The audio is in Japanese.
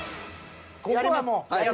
ここはもう。